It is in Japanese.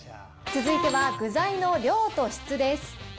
続いては具材の量と質です。